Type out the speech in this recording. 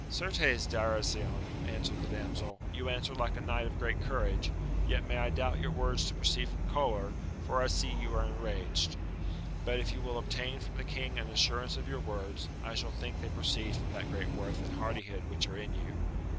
Certes Darasion, answered the damsel, you answer like a knight of great courage, yet may I doubt your words to proceed from, choler, for I see you are enraged ; but if you will obtain from the king an assurance of your words, I shall think they proceed from that great worth and hardihood which are in you.